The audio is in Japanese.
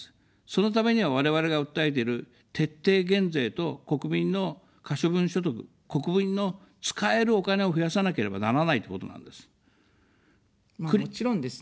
そのためには、我々が訴えている徹底減税と国民の可処分所得、国民の使えるお金を増やさなければならないってことなんです。